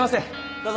どうぞ！